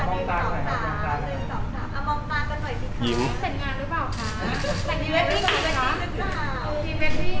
๑๒๓อ่ะมองตากันหน่อยสิคะ